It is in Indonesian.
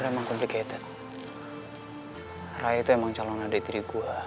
raya emang frame lemari